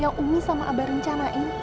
yang umi sama abah rencanain